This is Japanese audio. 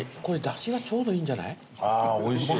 これだしがちょうどいいんじゃない？